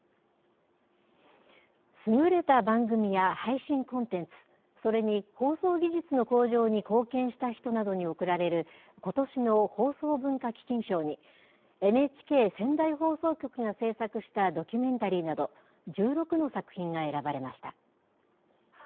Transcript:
優れた番組や配信コンテンツ、それに放送技術の向上に貢献した人などに贈られることしの放送文化基金賞に、ＮＨＫ仙台放送局が制作したドキュメンタリーなど、１６の作品が選ばれました。